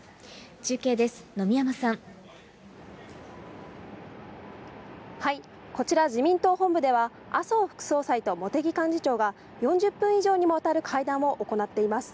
中継です、こちら、自民党本部では麻生副総裁と茂木幹事長が４０分以上にもわたる会談を行っています。